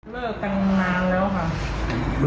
เลิกกันนานแล้วค่ะ